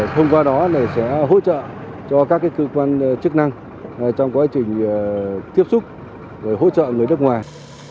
thông qua đó sẽ hỗ trợ cho các cơ quan chức năng trong quá trình tiếp xúc hỗ trợ người nước ngoài